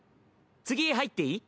次入っていい？